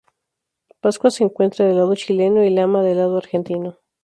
Pascua se encuentra del lado chileno y Lama, del lado argentino.